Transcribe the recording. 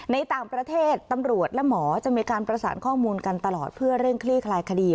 ในต่างประเทศตำรวจและหมอจะมีการประสานข้อมูลกันตลอดเพื่อเร่งคลี่คลายคดี